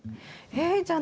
はい。